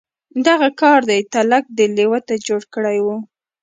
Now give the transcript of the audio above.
دغه کار دی تلک دې لېوه ته جوړ کړی و.